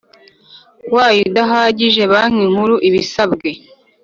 wayo udahagije Banki Nkuru ibisabwe